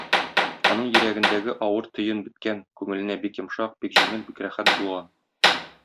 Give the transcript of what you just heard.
Аның йөрәгендәге авыр төен беткән, күңеленә бик йомшак, бик җиңел, бик рәхәт булган.